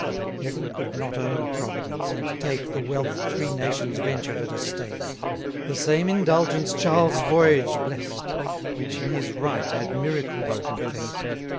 Heaven could not own a Providence, and take The wealth three nations ventured at a stake. The same indulgence Charles' voyage bless'd, 240 Which in his right had miracles confess'd.